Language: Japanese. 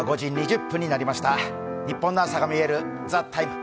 ニッポンの朝がみえる「ＴＨＥＴＩＭＥ，」